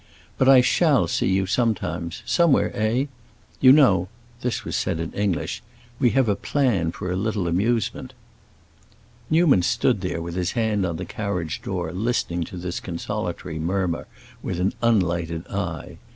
But I shall see you sometimes—somewhere, eh? You know"—this was said in English—"we have a plan for a little amusement." Newman stood there with his hand on the carriage door listening to this consolatory murmur with an unlighted eye.